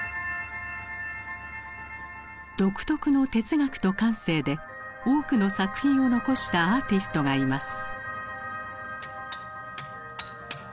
独特の哲学と感性で多くの作品を残したアーティストがいます。